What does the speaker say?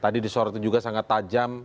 tadi disoroti juga sangat tajam